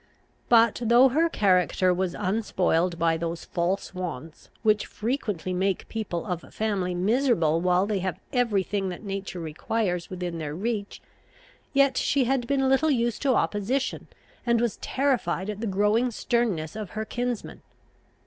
But, though her character was unspoiled by those false wants, which frequently make people of family miserable while they have every thing that nature requires within their reach, yet she had been little used to opposition, and was terrified at the growing sternness of her kinsman.